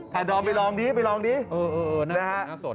พี่โดรมไปลองดิเออหน้าสด